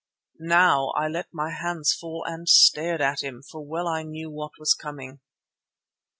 Now I let my hands fall and stared at him, for well I knew what was coming.